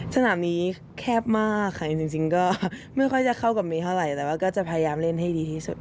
สนามนี้แคบมากค่ะจริงก็ไม่ค่อยจะเข้ากับเมย์เท่าไหร่แต่ว่าก็จะพยายามเล่นให้ดีที่สุด